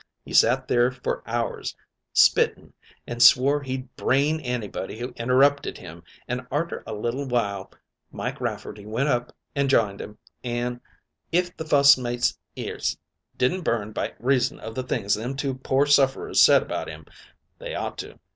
He sat there for hours spitting, an' swore he'd brain anybody who interrupted him, an' arter a little while Mike Rafferty went up and j'ined him, an' if the fust mate's ears didn't burn by reason of the things them two pore sufferers said about 'im, they ought to.